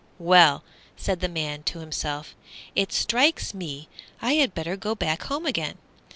"Well," said the Man to himself, "it strikes me I had better go back home again.